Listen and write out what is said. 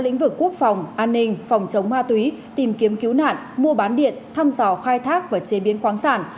như phòng an ninh phòng chống ma túy tìm kiếm cứu nạn mua bán điện thăm dò khai thác và chế biến khoáng sản